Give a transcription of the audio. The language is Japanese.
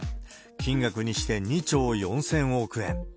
金額にして２兆４０００億円。